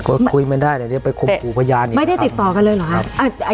ก็คุยไม่ได้เดี๋ยวไปคุมผู้พยานไม่ได้ติดต่อกันเลยหรอครับครับ